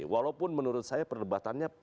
walaupun menurut saya perdebatannya